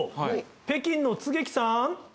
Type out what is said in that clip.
北京の槻木さん？